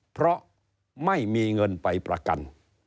เพราะไม่มีเงินไปประกัน